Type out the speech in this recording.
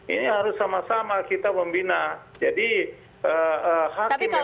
ini harus sama sama kita membina jadi hakim